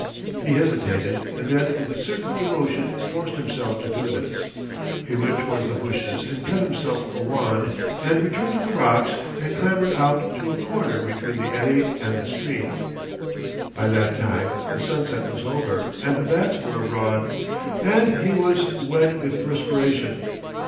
He hesitated and then with a certain emotion forced himself to do this. He went towards the bushes and cut himself a wand and returned to the rocks and clambered out to a corner between the eddy and the stream, By that time the sunset was over and the bats were abroad and he was wet with perspiration.